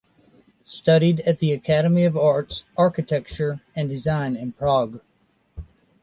Studied at the Academy of Arts, Architecture and Design in Prague.